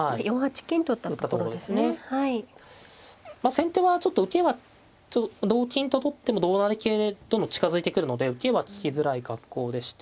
先手はちょっと受けは同金と取っても同成桂でどんどん近づいてくるので受けは利きづらい格好でして。